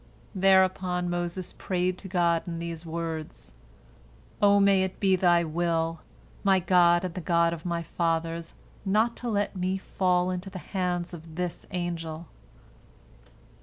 Thereupon Moses prayed to God in these words, "O may it be Thy will, my God and the God of my fathers, not to let me fall into the hands of this angel."